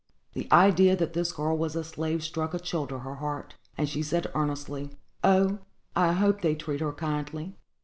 The idea that this girl was a slave struck a chill to her heart, and she said, earnestly, "O, I hope they treat her kindly."